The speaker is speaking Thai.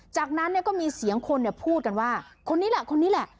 จากนั้นเนี่ยก็มีเสียงคนเนี่ยพูดกันว่าคนนี้แหละคนนี้แหละ